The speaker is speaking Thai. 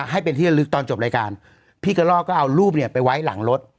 ให้เป็นที่ละลึกตอนจบรายการพี่กระลอกก็เอารูปเนี่ยไปไว้หลังรถ